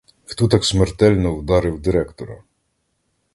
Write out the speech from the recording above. Хто так смертельно вдарив директора?